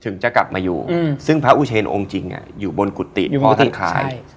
ถึงจะกลับมาอยู่อืมซึ่งพระอุเชนองค์จริงอ่ะอยู่บนกุฏตินพ่อท่านคลายใช่